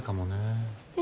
え